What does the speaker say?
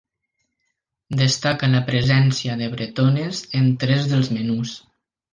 Destaca la presència de bretones en tres dels menús.